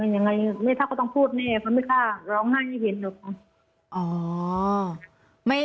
ยังไงแม่เถ้าก็ต้องพูดแน่เค้าไม่ฆ่าร้องไห้ไม่เห็นเลย